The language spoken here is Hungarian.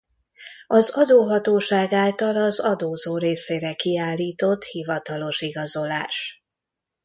Az adóhatóság által az adózó részére kiállított hivatalos igazolás.